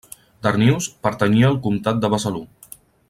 Darnius pertanyia al comtat de Besalú.